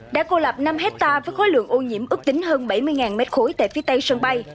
đã cô lập năm hectare với khối lượng ô nhiễm ước tính hơn bảy mươi m ba tại phía tây sân bay